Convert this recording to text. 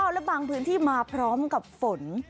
และบางพื้นที่มาพร้อมกับฝน